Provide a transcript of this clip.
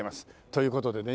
という事でね